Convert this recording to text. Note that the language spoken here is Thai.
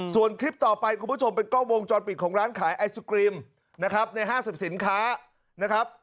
ส่วนคลิปต่อไปคุณผู้ชมเป็นกล้องวงจรปิดของร้านขายไอศกรีมนะครับในห้างสรรพสินค้านะครับ